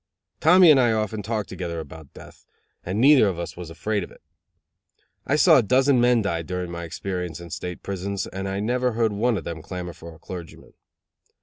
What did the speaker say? Tommy and I often talked together about death, and neither of us was afraid of it. I saw a dozen men die during my experience in state prisons and I never heard one of them clamor for a clergyman.